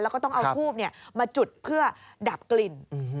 แล้วก็ต้องเอาทูบมาจุดเพื่อดับกลิ่น